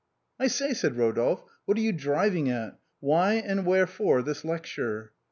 " I say," said Eodolphe, " what are you driving at ? Why and wherefore this lecture ?